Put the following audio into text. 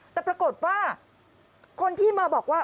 แต่ปรากฏว่าคนที่มาบอกว่า